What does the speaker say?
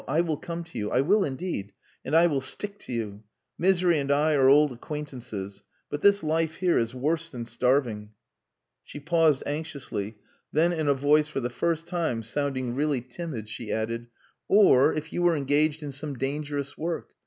I will come to you. I will indeed. And I will stick to you. Misery and I are old acquaintances but this life here is worse than starving." She paused anxiously, then in a voice for the first time sounding really timid, she added "Or if you were engaged in some dangerous work.